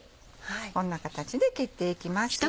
こんな形で切っていきます。